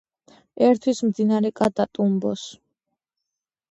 ერთვის მდინარე კატატუმბოს.